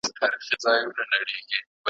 کوچ یې کړی دی یارانو مېني توري د رندانو `